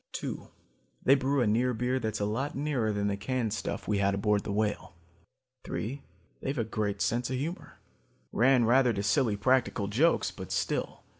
"Two, they brew a near beer that's a lot nearer than the canned stuff we had aboard the Whale. "Three, they've a great sense of humor. Ran rather to silly practical jokes, but still.